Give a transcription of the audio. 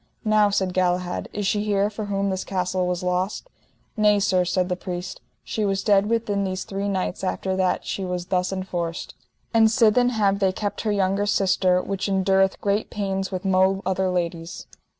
Now, said Galahad, is she here for whom this castle was lost? Nay sir, said the priest, she was dead within these three nights after that she was thus enforced; and sithen have they kept her younger sister, which endureth great pains with mo other ladies.